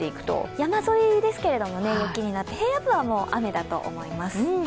山沿いですけれども雪になって平野部は雨だと思います。